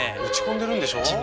打ち込んでるんでしょ？